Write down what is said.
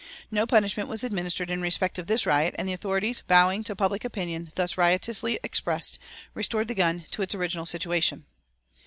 No punishment was administered in respect of this riot and the authorities, bowing to public opinion thus riotously expressed, restored the gun to its original situation.